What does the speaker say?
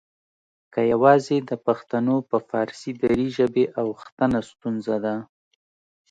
که یواځې د پښتنو په فارسي دري ژبې اوښتنه ستونزه ده؟